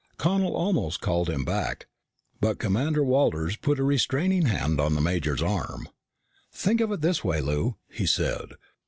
Connel almost called him back, but Commander Walters put a restraining hand on the major's arm. "Think of it this way, Lou," he said.